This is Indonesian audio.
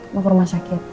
mau ke rumah sakit